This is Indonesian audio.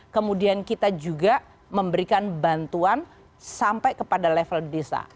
kemudian kita juga memberikan bantuan sampai kepada level desa